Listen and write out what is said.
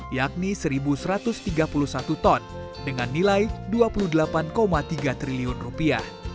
yakni satu satu ratus tiga puluh satu ton dengan nilai dua puluh delapan tiga triliun rupiah